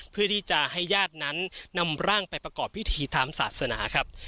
เพื่อที่จะให้ญาตินั้นนำร่างไปประกอบพิธีทางศาสนาครับ